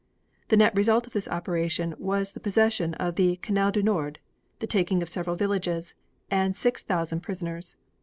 The net result of this operation was the possession of the Canal du Nord, the taking of several villages, and 6,000 prisoners.